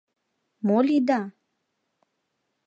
— Мо лийда?